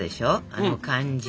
あの感じ。